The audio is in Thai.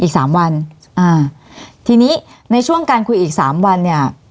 อีกสามวันอ่าทีนี้ในช่วงการคุยอีกสามวันเนี่ย